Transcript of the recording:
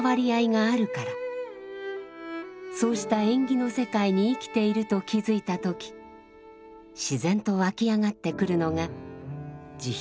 そうした縁起の世界に生きていると気づいた時自然と湧き上がってくるのが慈悲です。